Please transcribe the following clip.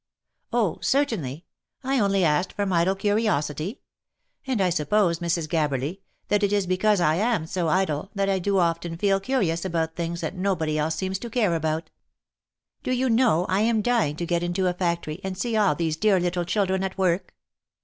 " Oh ! certainly. I only asked from idle curiosity. And I suppose, Mrs. Gabberly, that it is because I am so idle, that I do often feel curious about things that nobody else seems to care about. Do you know I am dying to get into a factory, and see all these dear little children at work.